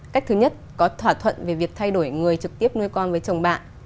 cách thứ nhất có thỏa thuận về việc thay đổi người trực tiếp nuôi con với chồng bạn